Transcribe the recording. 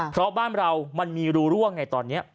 เพราะบ้านเรามันมีรูร่วงไงตอนนี้